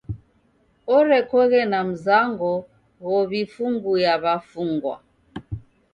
Orekoghe na mzango ghow'ifunguya w'afungwa.